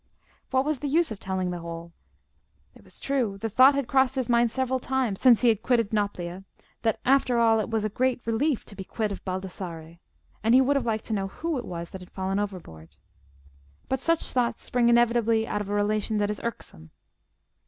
What was the use of telling the whole? It was true, the thought had crossed his mind several times since he had quitted Nauplia that, after all, it was a great relief to be quit of Baldassarre, and he would have liked to know who it was that had fallen overboard. But such thoughts spring inevitably out of a relation that is irksome.